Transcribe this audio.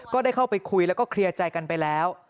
ก็ได้เข้าไปคุยแล้วก็เคลียร์ใจกันไปแล้ว